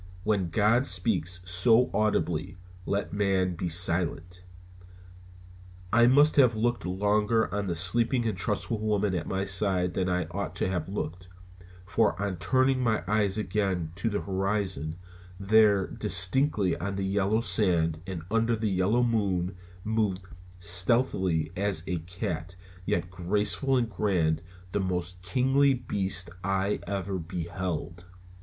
When God speaks so audibly let man be silent. I must have looked longer on the sleeping and trustful woman at my side than I ought to have looked, for on turning my eyes again to the horizon, there distinctly on the yellow sand and under the yellow moon moved, stealthily as a cat, yet graceful and grand, the most kingly beast I ever beheld.